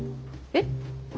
えっ？